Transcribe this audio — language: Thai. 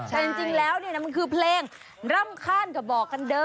แต่จริงแล้วมันคือเพลงร่ำคานก็บอกกันเด้อ